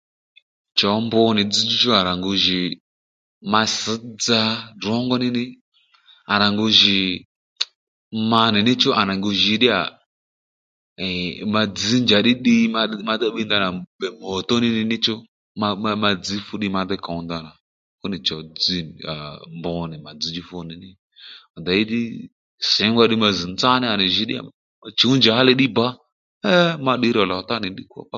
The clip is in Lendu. Cho mbu nì dzzdjú chú à rà ngu jì ma ss dza ddrǒngó ní nì à rà ngu jì ma nì ní chú à nì ngu jǐ ddí yà ee ma dzǐ njàddí ddiy ma dey bbiy ndanà gbè moto ní ni ní chú ma dzž fú ddiy ma déy kǒw ndanàfú nì cho dri mbu nì mà dzzdjú fú nì dey ddí singba ddí ma zz̀ nzání à nì jǐ ddí yà ma chǔw njali ddí bbǎ ee ma ddiyrò lò tá nì ddí kpa